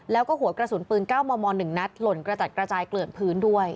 แล้วก็หัวกระสุนปืน๙มม๑นัดหล่นกระจัดกระจายเกลื่อนพื้นด้วย